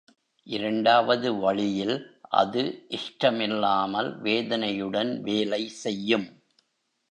இரண்டாவது வழியில் அது இஷ்டமில்லாமல் வேதனையுடன் வேலை செய்யும்.